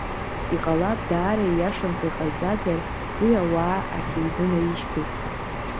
Иҟалап даара ииашамкәа иҟаиҵазар уи ауаа ахьизынеишьҭыз.